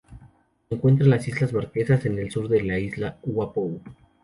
Se encuentra en las Islas Marquesas, en el sur de la isla Ua Pou.